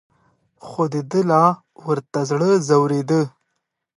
خو دده لا ورته زړه ځورېده.